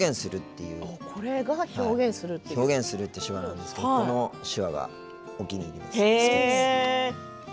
「表現する」っていう手話なんですけどこの手話が、お気に入りです。